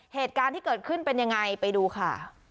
เหตุการณ์ที่เกิดขึ้นเป็นยังไงไปดูค่ะ